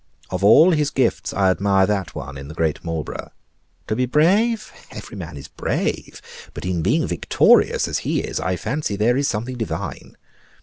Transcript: Of all his gifts I admire that one in the great Marlborough. To be brave? every man is brave. But in being victorious, as he is, I fancy there is something divine.